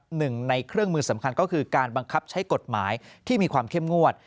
หนึ่งในเครื่องมือสำคัญก็คือการบังคับใช้กฎหมายที่มีความเข้มงวด